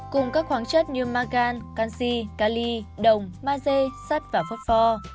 cùng các khoáng chất như magan canxi cali đồng maze sắt và phốt pho